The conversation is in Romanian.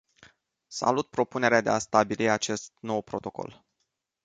Salut propunerea de a stabili acest nou protocol.